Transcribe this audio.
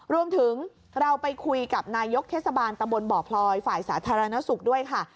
รวมถึงเราไปคุยกับนายกเทศบาลตำบลบ่อพลอยฝ่ายสาธารณสุขด้วยค่ะ